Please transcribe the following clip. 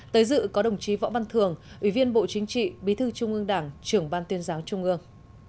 tới dự có đồng chí võ văn thường ủy viên bộ chính trị bí thư trung ương đảng trưởng ban tuyên giáo trung ương